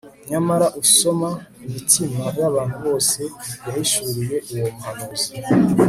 Nyamara usoma imitima yabantu bose yahishuriye uwo muhanuzi